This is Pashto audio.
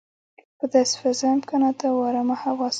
په داسې فضا، امکاناتو او ارامه حواسو.